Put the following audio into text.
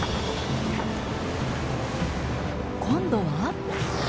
今度は？